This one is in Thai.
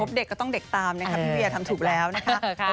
เด็กก็ต้องเด็กตามนะคะพี่เวียทำถูกแล้วนะคะ